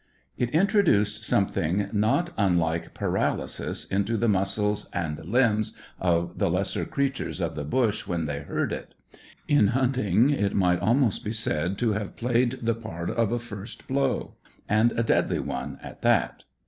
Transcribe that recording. It introduced something not unlike paralysis into the muscles and limbs of the lesser creatures of the bush when they heard it; in hunting, it might almost be said to have played the part of a first blow, and a deadly one at that.